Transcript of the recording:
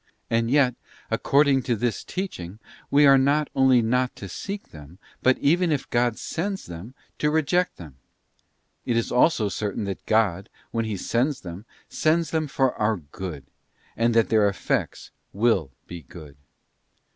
And yet, according to this teaching, we are not only not to seek them, but, even if God sends them, to reject them. It is also certain that God, when He sends them, sends them for our good, and that their effects will be good.